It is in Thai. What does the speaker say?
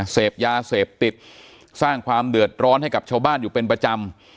เสพยาเสพติดสร้างความเดือดร้อนให้กับชาวบ้านอยู่เป็นประจำ